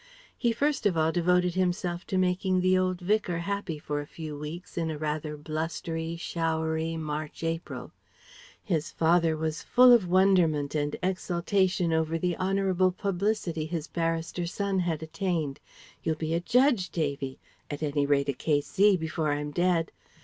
He first of all devoted himself to making the old Vicar happy for a few weeks in a rather blustery, showery March April. His father was full of wonderment and exultation over the honourable publicity his barrister son had attained. "You'll be a Judge, Davy; at any rate a K.C., before I'm dead!